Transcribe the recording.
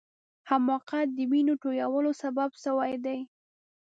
حماقت د وینو تویولو سبب سوی دی.